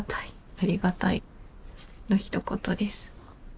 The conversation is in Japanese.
ありがたいのひと言です。